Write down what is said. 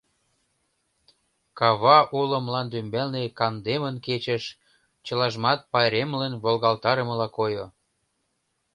Кава уло мланде ӱмбалне кандемын кечыш, чылажымат пайремлын волгалтарымыла койо.